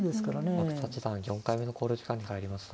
阿久津八段４回目の考慮時間に入りました。